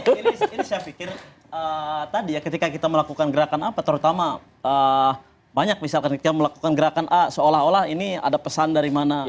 ini saya pikir tadi ya ketika kita melakukan gerakan apa terutama banyak misalkan kita melakukan gerakan a seolah olah ini ada pesan dari mana